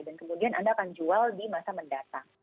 kemudian anda akan jual di masa mendatang